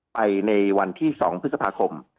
ไปในวันที่๒พฤษภาคม